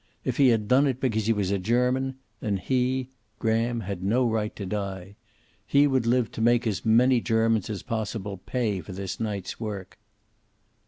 If he had done it because he was a German, then he Graham had no right to die. He would live to make as many Germans as possible pay for this night's work.